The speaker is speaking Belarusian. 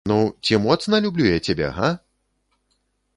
Ну, ці моцна люблю я цябе, га?